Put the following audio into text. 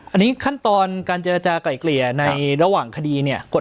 อันนี้ขั้นตอนการเจรจากลายเกลี่ยในระหว่างคดีเนี่ย